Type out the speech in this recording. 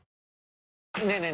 ねえねえ